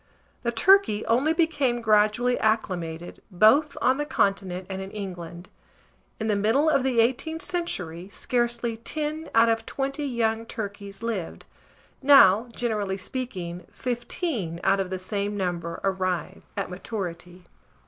The turkey only became gradually acclimated, both on the continent and in England: in the middle of the 18th century, scarcely 10 out of 20 young turkeys lived; now, generally speaking, 15 out of the same number arrive at maturity.